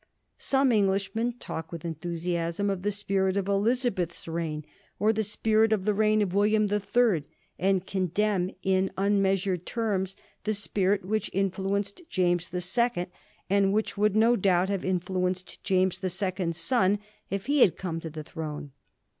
Some Englishmen talk with enthusiasm of the spirit of Elizabefli's reign, or the spirit of the reign of William the Third, and condemn, in un measured terms, the spirit which influenced James the Second, and which would no doubt have influenced James the Second's son, if he had come to the throne.